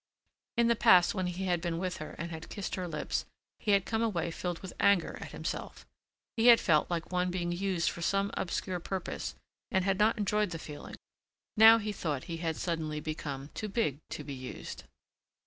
In the past when he had been with her and had kissed her lips he had come away filled with anger at himself. He had felt like one being used for some obscure purpose and had not enjoyed the feeling. Now he thought he had suddenly become too big to be used.